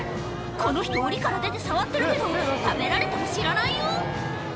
この人、おりから出て触ってるけど、食べられても知らないよ。